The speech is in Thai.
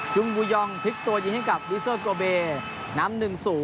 บูยองพลิกตัวยิงให้กับวิเซอร์โกเบน้ำ๑๐